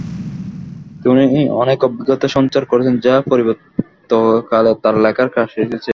তিনি অনেক অভিজ্ঞতা সঞ্চার করেছেন যা পরবর্তীকালে তার লেখার কাজে এসেছে।